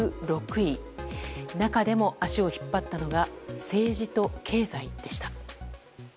中でも足を引っ張ったのが政治と経済でした。